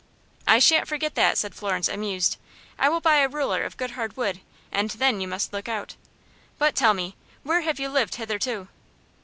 "I shan't forget that," said Florence, amused. "I will buy a ruler of good hard wood, and then you must look out. But, tell me, where have you lived hitherto?"